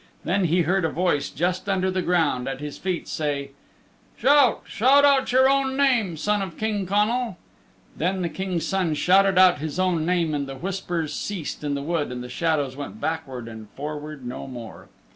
Then he heard a voice just under the ground at his feet say, "Shout shout out your own name, Son of King Connal!" Then the King's Son shouted out his own name and the whispers ceased in the wood and the shadows went backward and forward no more.